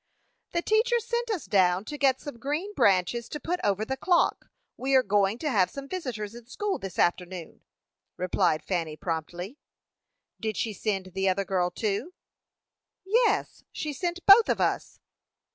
"The teacher sent us down to get some green branches to put over the clock. We are going to have some visitors in school this afternoon," replied Fanny, promptly. "Did she send the other girl, too?" "Yes; she sent both of us."